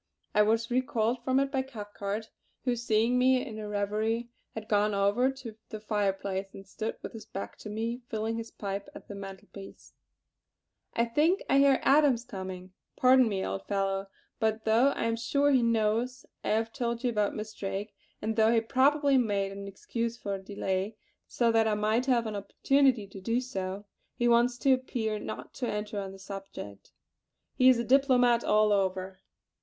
I was recalled from it by Cathcart, who seeing me in a reverie had gone over to the fireplace and stood with his back to me, filling his pipe at the mantel piece: "I think I hear Adams coming. Pardon me, old fellow, but though I am sure he knows I have told you about Miss Drake, and though he probably made an excuse for delay so that I might have an opportunity to do so, he wants to appear not to enter on the subject. He is diplomat all over.